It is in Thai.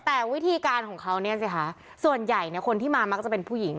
แต่วิธีการของเขาเนี่ยสิคะส่วนใหญ่เนี่ยคนที่มามักจะเป็นผู้หญิง